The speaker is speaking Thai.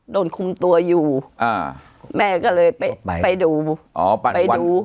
โดนคุมตัวอยู่อ่าแม่ก็เลยไปไปดูอ๋อไปดู